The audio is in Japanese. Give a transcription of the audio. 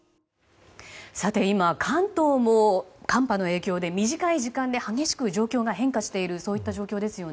今、関東も寒波の影響で短い時間で激しく状況が変化しているそういった状況ですよね。